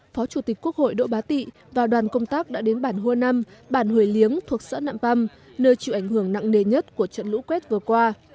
phó chủ tịch quốc hội đỗ ba tị và đoàn công tác đã đến bản hô năm bản hồi liếng thuộc sở nạm băm nơi chịu ảnh hưởng nặng nề nhất của trận lũ quét vừa qua